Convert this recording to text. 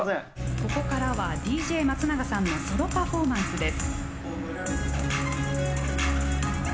ここからはＤＪ松永さんのソロパフォーマンスです。